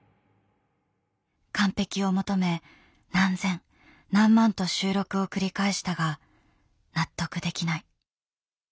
完璧を求め何千何万と収録を繰り返したが納得できない。